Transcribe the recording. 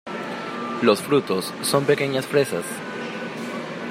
Los frutos son pequeñas fresas.